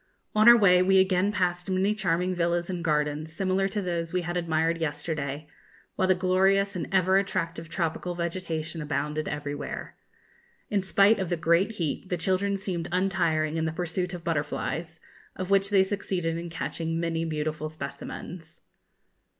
On our way we again passed many charming villas and gardens, similar to those we had admired yesterday, while the glorious and ever attractive tropical vegetation abounded everywhere. In spite of the great heat, the children seemed untiring in the pursuit of butterflies, of which they succeeded in catching many beautiful specimens.